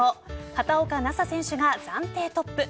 畑岡奈紗選手が暫定トップ。